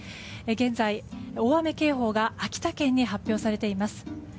現在、大雨警報が秋田県に発表されています。